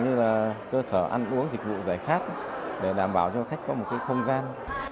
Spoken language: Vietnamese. như là cơ sở ăn uống dịch vụ giải khát để đảm bảo cho khách có một cái không gian